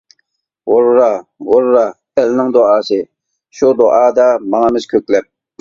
ھۇررا-ھۇررا ئەلنىڭ دۇئاسى، شۇ دۇئادا ماڭىمىز كۆكلەپ.